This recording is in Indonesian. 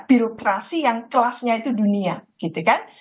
birokrasi yang kelasnya itu dunia gitu kan